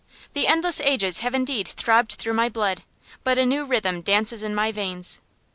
The endless ages have indeed throbbed through my blood, but a new rhythm dances in my veins.